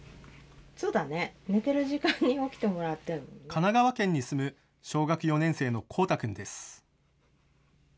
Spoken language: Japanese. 神奈川県に住む小学４年生のコウタ君です。